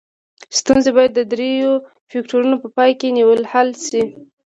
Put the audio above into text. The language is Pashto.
ستونزې باید د دریو فکتورونو په پام کې نیولو حل شي.